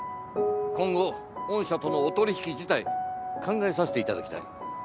今後御社とのお取引自体考えさせて頂きたい。